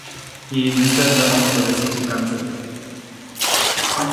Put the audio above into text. He is instead running for the City Council.